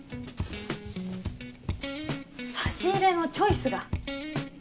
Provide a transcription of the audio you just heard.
差し入れのチョイスが。